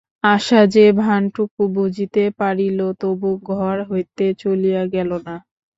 আশা সে ভানটুকু বুঝিতে পারিল, তবু ঘর হইতে চলিয়া গেল না।